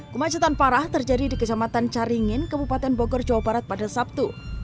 kemacetan parah terjadi di kecamatan caringin kebupaten bogor jawa barat pada sabtu